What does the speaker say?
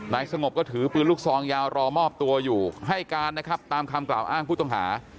สงบก็ถือปืนลูกซองยาวรอมอบตัวอยู่ให้การนะครับตามคำกล่าวอ้างผู้ต้องหา